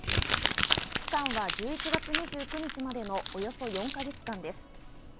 期間は１１月２９日までのおよそ４か月間です。